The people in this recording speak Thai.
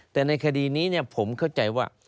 แต่ในคดีนี้ผมเข้าใจว่า